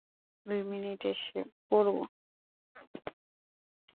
দুই মিনিটে এসে পড়ব।